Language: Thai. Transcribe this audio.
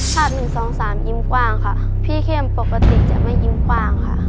๑๒๓ยิ้มกว้างค่ะพี่เข้มปกติจะไม่ยิ้มกว้างค่ะ